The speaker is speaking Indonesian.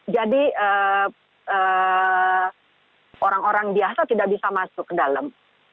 jadi orang orang biasa tidak bisa masuk ke dalam